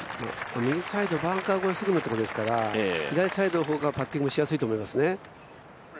右サイド、バンカー越えするというところですから左サイドの方がパッティングしやすいと思いますね。